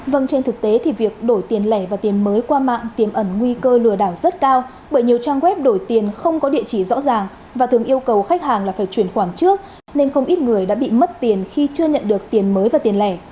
các kênh mạng xã hội để đổi tiền lẻ và tiền mới qua mạng tìm ẩn nguy cơ lừa đảo rất cao bởi nhiều trang web đổi tiền không có địa chỉ rõ ràng và thường yêu cầu khách hàng là phải chuyển khoản trước nên không ít người đã bị mất tiền khi chưa nhận được tiền mới và tiền lẻ